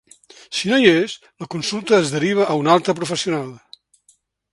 Si no hi és, la consulta es deriva a un altre professional.